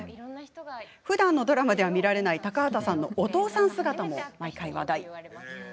ふだんのドラマでは見られない高畑さんのお父さん姿も毎回、話題です。